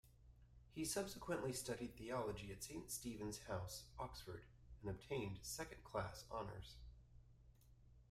He subsequently studied theology at Saint Stephen's House, Oxford, and obtained second-class honours.